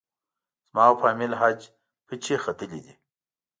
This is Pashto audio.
زما او فامیل حج پچې ختلې دي.